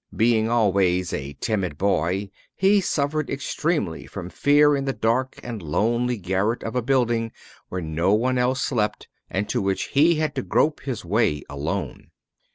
Being always a timid boy, he suffered extremely from fear in the dark and lonely garret of a building where no one else slept, and to which he had to grope his way alone.